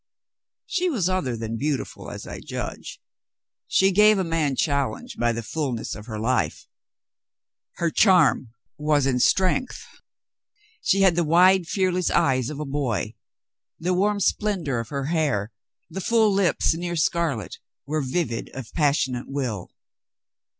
She was other than beautiful, as I judge. She gave a man challenge by the fullness of her life. Her charm was in strength. She had the wide, fearless eyes of a boy. The warm splen dor of her hair, the full lips near scarlet, were vivid of passionate will.